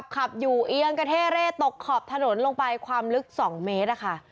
ขับอยู่เอียงกระเท่เร่ตกขอบถนนลงไปความลึก๒เมตรอะค่ะ